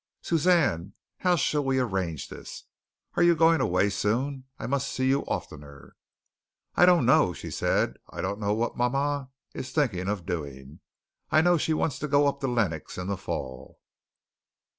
"Suzanne, how shall we arrange this? Are you going away soon? I must see you oftener." "I don't know," she said. "I don't know what mama is thinking of doing. I know she wants to go up to Lenox in the fall."